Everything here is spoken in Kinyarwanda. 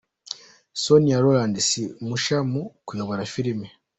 Sonia Rolland si mushya mu kuyobora filime.